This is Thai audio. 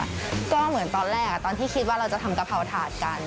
ก็เหมือนตอนแรกตอนที่คิดว่าเราจะทำกะเพราถาดกัน